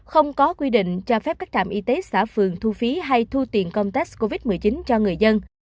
không có quy định cho phép các trạm y tế xã phường thu phí hay thu tiền công test covid một mươi chín cho người dân